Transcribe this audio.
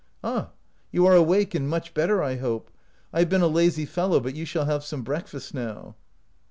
" Ah, you are awake, and much better, I hope. I have been a lazy fellow, but you shall have some breakfast now."